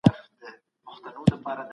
که ذهن ارام وي، بدن ښه کار کوي.